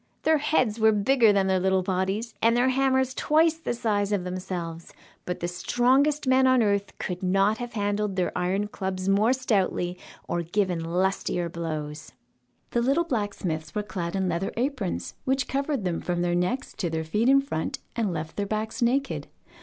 Their heads were bigger than their little bodies, and their hammers twice the size of themselves, but the strongest men on earth could not have handled their iron clubs more stoutly or given lustier blows. The little blacksmiths were clad in leather aprons, which covered them from their necks to their feet in front, and left their backs naked.